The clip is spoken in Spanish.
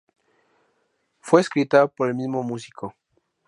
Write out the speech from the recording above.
Fue escrita por el mismo músico.